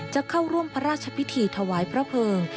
จะเข้าร่วมพระราชพิธีถวายพระเภิง